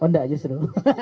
oh enggak justru